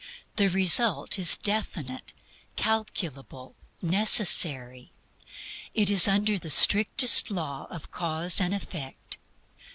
The result is definite, calculable, necessary. It is under the strictest law of cause and effect.